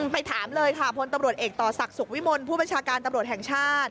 ไปถามเลยค่ะพลตำรวจเอกต่อศักดิ์สุขวิมลผู้บัญชาการตำรวจแห่งชาติ